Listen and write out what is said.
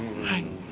はい。